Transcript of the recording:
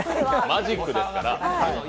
マジックですから！